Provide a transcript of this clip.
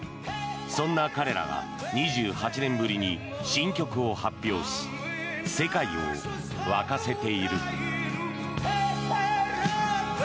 そんな彼らが２８年ぶりに新曲を発表し世界を沸かせている。